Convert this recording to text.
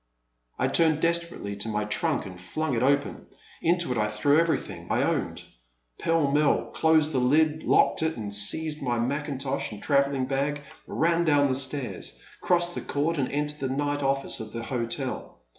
I turned desperately to my trunk and flung it open. Into it I threw everything I owned, pell mell, closed the lid, locked it, and seizing my mackintosh and travelling bag, ran down the stairs, crossed the court and entered the night office of the hotel.